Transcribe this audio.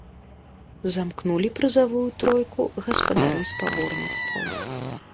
Замкнулі прызавую тройку гаспадары спаборніцтваў.